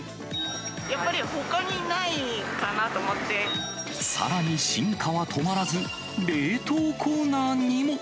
やっぱりほかにないかなと思さらに進化は止まらず、冷凍コーナーにも。